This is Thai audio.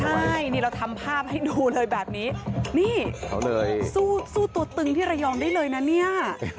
ใช่นี่เราทำภาพให้ดูเลยแบบนี้นี่สู้ตัวตึงที่ระยองได้เลยนะเนี่ย